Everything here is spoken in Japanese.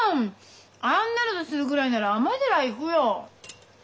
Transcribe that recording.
あんなのとするぐらいなら尼寺行くよ。